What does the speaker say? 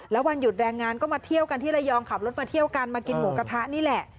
แล้ววันหยุดแรงงานก็มาเที่ยวกันที่ระยองขับรถมาเที่ยวกันมากินหมูกระทะนี่แหละ